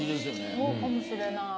そうかもしれない。